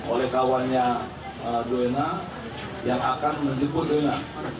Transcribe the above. oleh kawannya doena yang akan menjemput doena